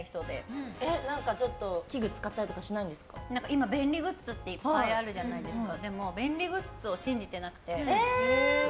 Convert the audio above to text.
今便利グッズっていっぱいあるじゃないですか。